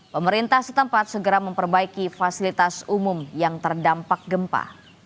pemerintah setempat segera memperbaiki fasilitas umum yang terdampak gempa